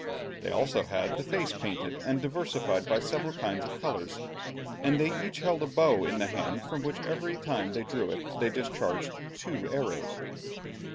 They also had the face painted and diversified by several kinds of colours, and they each held a bow in the hand, from which every time they drew it, they discharged two arrows.